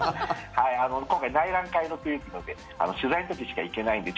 今回、内覧会というので取材の時しか行けないんで。